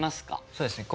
そうですね。